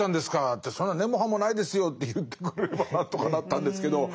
って「そんな根も葉もないですよ」って言ってくれれば何とかなったんですけど。